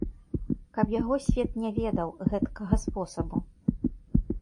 Каб яго свет не ведаў, гэткага спосабу!